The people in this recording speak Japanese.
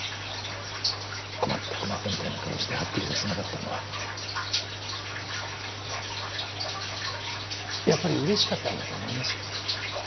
困った困ったみたいな顔してはっきりさせなかったのはやっぱりうれしかったんだと思います。